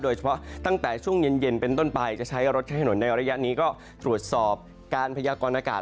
ตั้งแต่ช่วงเย็นเป็นต้นไปจะใช้รถใช้ถนนในระยะนี้ก็ตรวจสอบการพยากรณากาศ